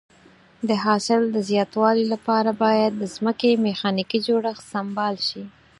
د حاصل د زیاتوالي لپاره باید د ځمکې میخانیکي جوړښت سمبال شي.